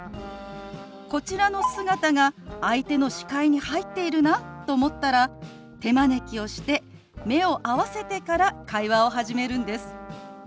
こちらの姿が相手の視界に入っているなと思ったら手招きをして目を合わせてから会話を始めるんです。